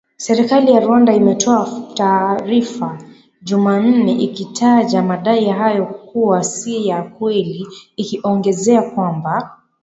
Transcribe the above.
Serikali ya Rwanda imetoa taarifa jumanne ikitaja madai hayo kuwa si ya kweli ikiongezea kwamba